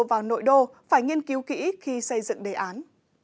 vào nội đô phải nghiên cứu kỹ khi xây dựng đề án